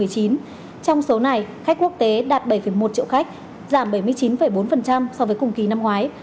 trong số này khách quốc tế đạt bảy một triệu khách giảm bảy mươi chín bốn so với cùng kỳ năm ngoái